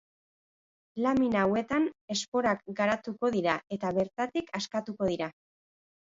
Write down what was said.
Lamina hauetan esporak garatuko dira, eta bertatik askatuko dira.